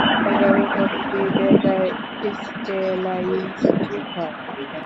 এভাবেই প্রতিটি ডেটা স্কেলাইজড হয়।